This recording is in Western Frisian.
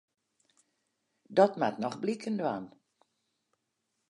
Dat moat noch bliken dwaan.